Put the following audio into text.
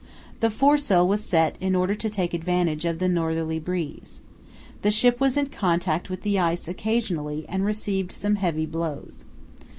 The foresail was set in order to take advantage of the northerly breeze. The ship was in contact with the ice occasionally and received some heavy blows.